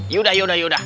yaudah yaudah yaudah